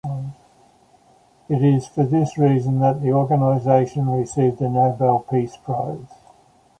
It is for this reason that the organization received the Nobel Peace Prize.